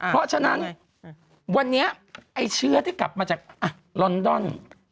เพราะฉะนั้นวันนี้ไอ้เชื้อที่กลับมาจากลอนดอน